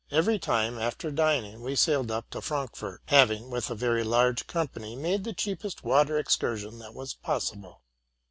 Every time, after dining, we sailed up to Frankfort, having, with a very large company, made the cheapest water excursion that was possible.